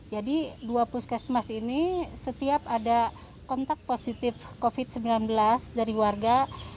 dua puskesmas ini setiap ada kontak positif covid sembilan belas dari warga